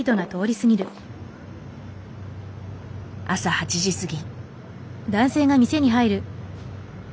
朝８時過ぎ。